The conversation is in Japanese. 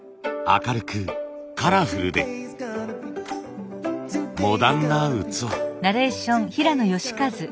明るくカラフルでモダンな器。